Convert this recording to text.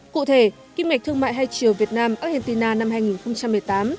cụ thể kinh mệch thương mại hai chiều việt nam argentina năm hai nghìn một mươi tám